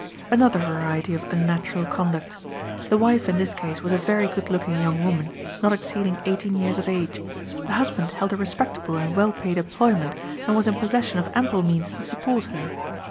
Another variety of unnatural conduct. The wife in this case was a very good looking young woman, not exceeding eighteen years of age; the husband held a respectable and well paid employment, and was in possession of ample means to support her.